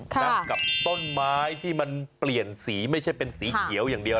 กับต้นไม้ที่มันเปลี่ยนสีไม่ใช่เป็นสีเขียวอย่างเดียว